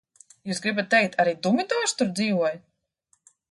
Jūs gribat teikt, arī Dumidors tur dzīvoja?